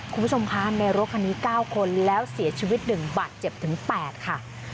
คุณผู้ชมคะในรถคันนี้เก้าคนแล้วเสียชีวิตหนึ่งบัตรเจ็บถึงแปดค่ะ